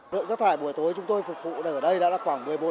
đợt giác thải buổi tối chúng tôi phục vụ ở đây là khoảng một mươi một